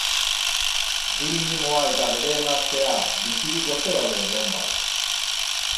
Gil mimoa eta bere emaztea bizirik ote daude nonbait?